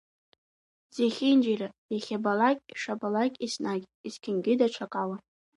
Зехьынџьара, иахьабалак, ишабалак, еснагь, есқьынгьы, даҽакала.